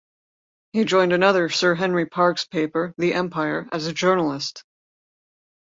He joined another Sir Henry Parkes paper, "The Empire" as a journalist.